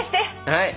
はい！